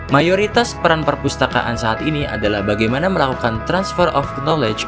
mayoritas peran perpustakaan saat ini adalah bagaimana melakukan transfer of knowledge